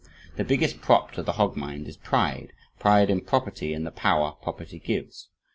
The biggest prop to the hog mind is pride pride in property and the power property gives.